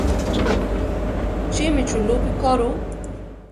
Chimi chulúpi koru?